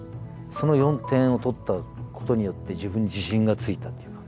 その４点を取ったことによって自分に自信がついたっていうか。